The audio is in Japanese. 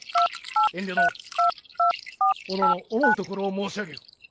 遠慮のうおのおの思うところを申し上げよ。